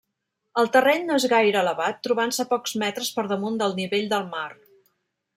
El terreny no és gaire elevat, trobant-se pocs metres per damunt del nivell del mar.